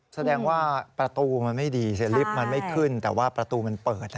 แสดงว่าประตูมันไม่ดีเสียลิฟต์มันไม่ขึ้นแต่ว่าประตูมันเปิด